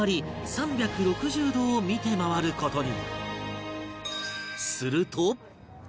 ３６０度を見て回る事に